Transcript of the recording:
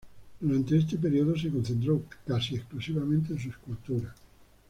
Durante este periodo se concentró casi exclusivamente en su escultura.